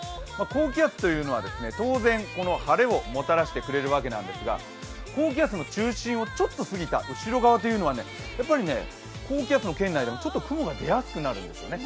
高気圧というのは当然、晴れをもたらしてくれるわけなんですが高気圧の中心をちょっと過ぎた後ろ側というのは高気圧の圏内でもちょっと雲が出やすくなるんですね。